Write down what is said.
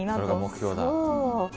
それが目標だ。